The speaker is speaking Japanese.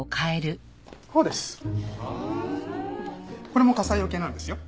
これも火災よけなんですよ。